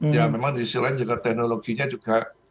ya memang di sisi lain juga teknologinya juga